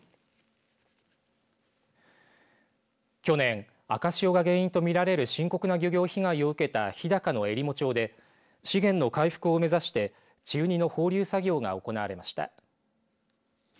去年、赤潮が原因とみられる深刻な漁業被害を受けた日高のえりも町で資源の回復を目指して稚ウニの放流作業が行われました。